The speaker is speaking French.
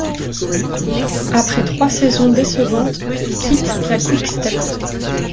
Après trois saisons décevantes, il quitte la Quick Step.